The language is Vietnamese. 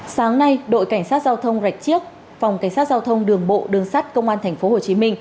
sáng nay đội cảnh sát giao thông rạch chiếc phòng cảnh sát giao thông đường bộ đường sát công an tp hcm